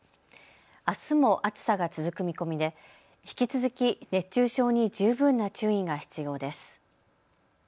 あすも暑さが続く見込みで引き続き熱中症に十分な注意が必要です。